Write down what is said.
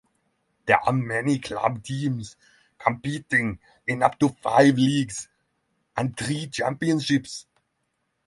There are many club teams competing in up to five leagues and three championships.